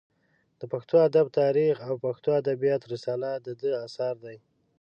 د پښتو ادب تاریخ او پښتو ادبیات رساله د ده اثار دي.